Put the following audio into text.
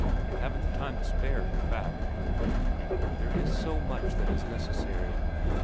I haven't the time to spare, in fact." "There is so much that is necessary."